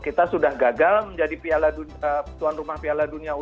kita sudah gagal menjadi tuan rumah piala dunia u dua puluh